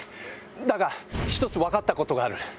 だが１つ分かったことがある。